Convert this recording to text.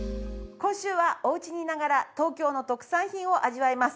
今週はおうちにいながら東京の特産品を味わいます。